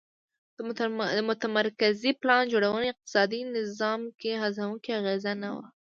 د متمرکزې پلان جوړونې اقتصادي نظام کې هڅوونکې انګېزه نه وه